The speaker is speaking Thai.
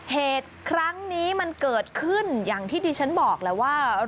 เหตุครั้งนี้มันเกิดขึ้นอย่างที่ดิฉันบอกแล้วว่า